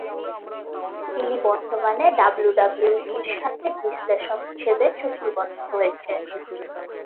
তিনি বর্তমানে ডাব্লিউডাব্লিউইর সাথে বিশ্লেষক হিসেবে চুক্তিবদ্ধ হয়েছে।